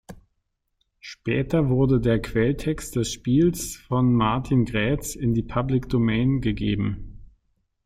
Später wurde der Quelltext des Spiels von Martin Graetz in die Public Domain gegeben.